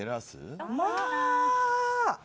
まあ！